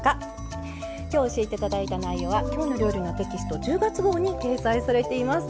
今日教えて頂いた内容は「きょうの料理」のテキスト１０月号に掲載されています。